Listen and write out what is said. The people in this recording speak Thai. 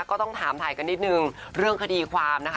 ก็ต้องถามถ่ายกันนิดนึงเรื่องคดีความนะคะ